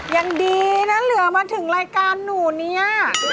ยังดีนะเหลือมาถึงรายการหนูเนี่ย